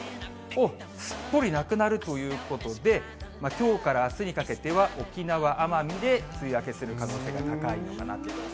すっぽりなくなるということで、きょうからあすにかけては、沖縄、奄美で梅雨明けする可能性が高いのかなと思います。